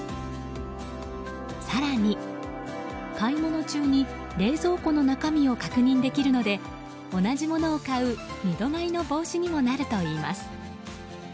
更に、買い物中に冷蔵庫の中身を確認できるので同じものを買う二度買いの防止にもなるといいます。